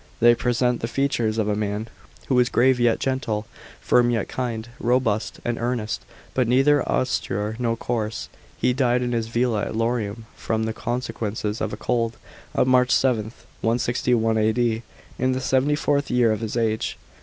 They present the features of a man, who was grave yet gentle, firm yet kind, robust and earnest, but neither austere nor coarse. He died in his villa at Lorium, from the consequences of a cold, on March 7, 161 A.D., in the seventy fourth year of his age.